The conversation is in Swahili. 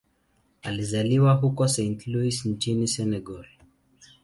Alizaliwa huko Saint-Louis nchini Senegal.